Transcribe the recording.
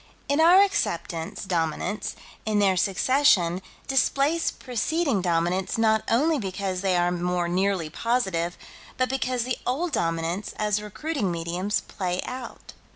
In our acceptance, Dominants, in their succession, displace preceding Dominants not only because they are more nearly positive, but because the old Dominants, as recruiting mediums, play out.